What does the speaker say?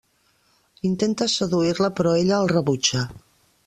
Intenta seduir-la, però ella el rebutja.